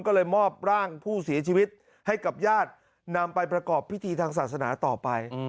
ก็เลยมอบร่างผู้เสียชีวิตให้กับญาตินำไปประกอบพิธีทางศาสนาต่อไป